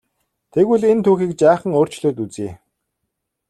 Тэгвэл энэ түүхийг жаахан өөрчлөөд үзье.